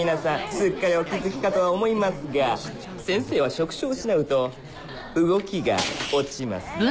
すっかりお気づきかとは思いますが先生は触手を失うと動きが落ちますええ